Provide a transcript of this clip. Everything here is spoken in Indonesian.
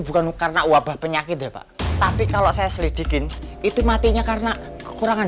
bukan karena wabah penyakit ya pak tapi kalau saya selidikin itu matinya karena kekurangan